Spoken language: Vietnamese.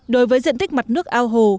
đối với diện tích mặt nước ao hồ